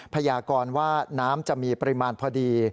พยากรว่าน้ำจะมีปริมาณพอดี